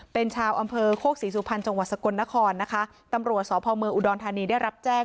เป็นชาวอำเภอโคกศรีสุพรรณจังหวัดสกลนครนะคะตำรวจสพเมืองอุดรธานีได้รับแจ้ง